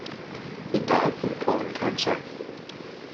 He died from colon cancer.